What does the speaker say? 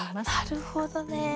なるほどね。